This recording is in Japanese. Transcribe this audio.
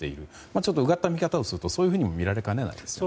ちょっとうがった見方をするとそういうふうにも見られかねないですよね。